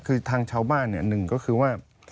คือทางชาวบ้านเนี่ยหนึ่งก็คือว่า